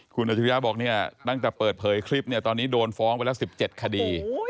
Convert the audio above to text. คุณอัจฉริยะบอกเนี่ยตั้งแต่เปิดเผยคลิปเนี่ยตอนนี้โดนฟ้องไปแล้ว๑๗คดี